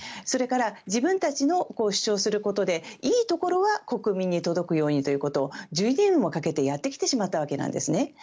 それから自分たちの主張することでいいところは国民に届くようにということを１２年かけてやってきてしまったわけです。